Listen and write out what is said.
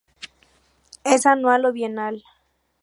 Es anual o bienal.